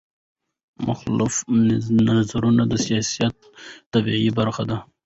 مخالف نظرونه د سیاست طبیعي برخه ده